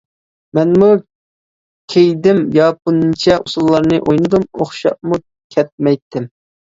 مەنمۇ كىيدىم، ياپونچە ئۇسسۇللارنى ئوينىدىم، ئوخشاپمۇ كەتمەيتتىم.